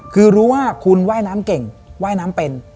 คือรู้ว่าคุณว่ายน้ำเก่งว่ายน้ำเป็น